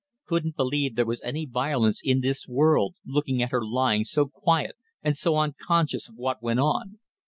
Couldn't believe there was any violence in this world, looking at her lying so quiet and so unconscious of what went on.